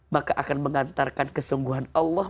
maka akan mengantarkan kesungguhan allah